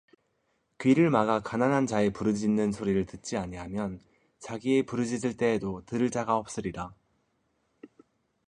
귀를 막아 가난한 자의 부르짖는 소리를 듣지 아니하면 자기의 부르짖을 때에도 들을 자가 없으리라